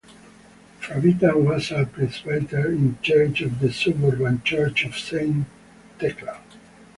Fravitta was a presbyter in charge of the suburban church of Saint Thecla.